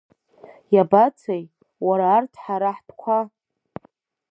Иабацеи, уара арҭ ҳара ҳтәқәа?